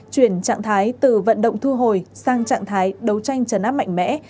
chuyển trạng thái từ vận động thu hồi sang trạng thái đấu tranh trấn áp mạnh mẽ